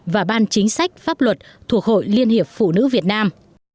và ban chính sách pháp luật thuộc hội liên hiệp phụ nữ việt nam